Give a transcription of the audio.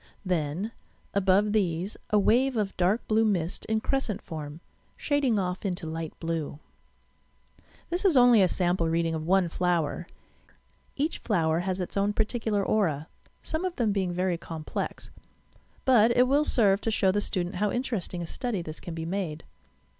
Then, above these, a wave of dark blue mist in crescent form, shading off into light blue. This is only a sample reading of one flower. Each flower has its own particular aura {some of them being very complex) ; but it will serve to show the student how interesting a study this can be made.